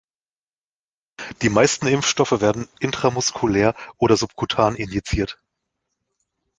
Die meisten Impfstoffe werden intramuskulär oder subkutan injiziert.